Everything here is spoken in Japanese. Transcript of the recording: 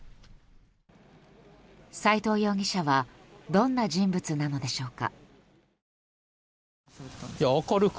斎藤容疑者はどんな人物なのでしょうか。